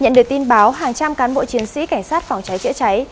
nhận được tin báo hàng trăm cán bộ chiến sĩ cảnh sát phòng cháy chữa cháy